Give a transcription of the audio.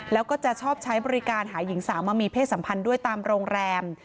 แล้วก็จะชอบใช้บริการหาหญิงสาวมามีเพศสัมพันธ์ด้วยตามโรงแรม